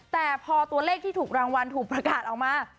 แต่พอตัวเลขที่ถูกรางวัลถูกประกาศออกมา